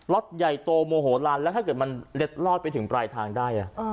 ใหญ่โตโมโหลานแล้วถ้าเกิดมันเล็ดลอดไปถึงปลายทางได้